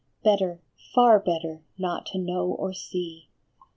Better, far better, not to know or see